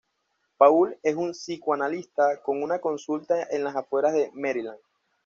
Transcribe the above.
Paul es un psicoanalista con una consulta en las afueras de Maryland.